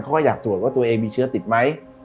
เขาก็อยากตรวจว่าตัวเองมีเชื้อติดไหม